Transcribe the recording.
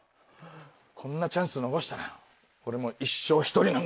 こんなチャンス逃したら俺もう一生独りなんだよ。